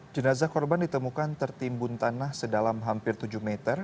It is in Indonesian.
jenazah korban ditemukan tertimbun tanah sedalam hampir tujuh meter